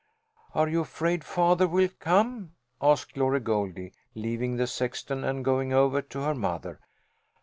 "Are you afraid father will come?" asked Glory Goldie, leaving the sexton and going over to her mother.